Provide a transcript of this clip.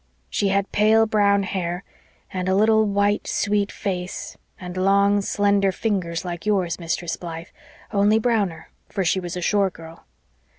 She had pale, brown hair and a little white, sweet face, and long slender fingers like yours, Mistress Blythe, only browner, for she was a shore girl.